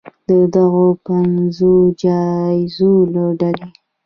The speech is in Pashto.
د دغو پنځو جایزو له ډلې